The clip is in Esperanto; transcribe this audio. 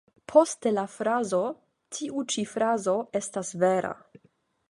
Poste la frazo ""Tiu ĉi frazo estas vera.